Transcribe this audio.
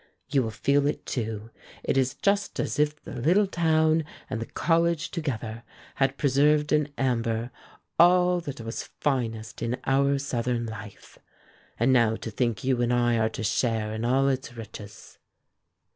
You will feel it, too. It is just as if the little town and the college together had preserved in amber all that was finest in our Southern life. And now to think you and I are to share in all its riches!"